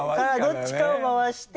どっちかを回して。